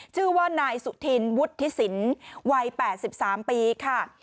ชื่อว่านายสุธินวุฒิสินวัย๘๓ปีค่ะ